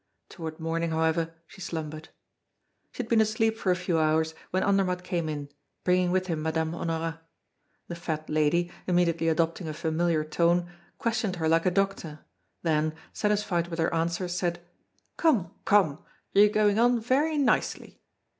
Toward morning, however, she slumbered. She had been asleep for a few hours when Andermatt came in, bringing with him Madame Honorat. The fat lady, immediately adopting a familiar tone, questioned her like a doctor; then, satisfied with her answers, said: "Come, come! you're going on very nicely!"